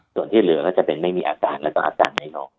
ส่วนที่เหลือก็จะเป็นไม่มีอาการแล้วก็อาการไม่ออก